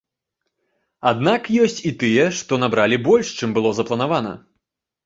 Аднак ёсць і тыя, што набралі больш, чым было запланавана.